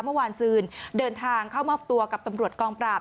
เมื่อคืนซืนเดินทางเข้ามอบตัวกับตำรวจกองปราบ